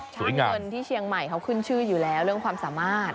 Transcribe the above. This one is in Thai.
เงินที่เชียงใหม่เขาขึ้นชื่ออยู่แล้วเรื่องความสามารถ